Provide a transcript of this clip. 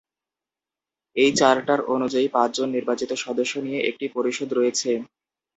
এর চার্টার অনুযায়ী পাঁচ জন নির্বাচিত সদস্য নিয়ে একটি পরিষদ রয়েছে।